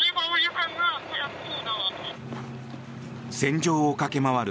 戦場を駆け回る